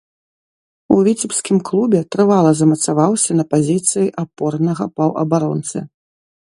У віцебскім клубе трывала замацаваўся на пазіцыі апорнага паўабаронцы.